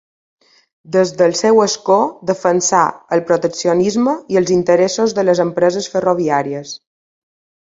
Des del seu escó defensà el proteccionisme i els interessos de les empreses ferroviàries.